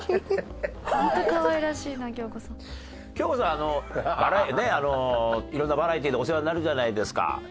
あの色んなバラエティでお世話になるじゃないですか。